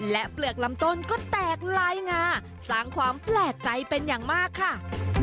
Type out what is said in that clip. และเปลือกลำต้นก็แตกลายงาสร้างความแปลกใจเป็นอย่างมากค่ะ